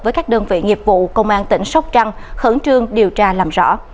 với các đơn vị nghiệp vụ công an tỉnh sóc trăng khẩn trương điều tra làm rõ